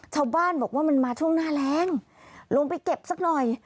ชาวบ้านบอกว่ามันมาช่วงหน้าแรงลงไปเก็บสักหน่อย